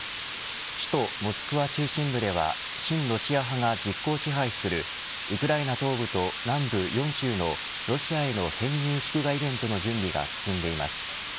首都モスクワ中心部では親ロシア派が実効支配するウクライナ東部と南部４州のロシアへの編入祝賀イベントの準備が進んでいます。